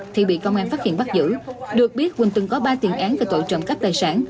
thì bị công an phát hiện bắt giữ được biết quỳnh từng có ba tiền án về tội trộm cắp tài sản